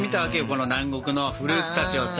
この南国のフルーツたちをさ。